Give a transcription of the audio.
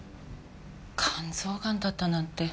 肝臓ガンだったなんて。